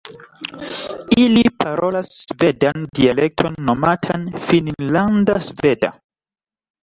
Ili parolas svedan dialekton nomatan "finnlanda sveda".